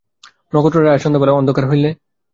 নক্ষত্ররায়, আজ সন্ধ্যাবেলায়–অন্ধকার হইলে।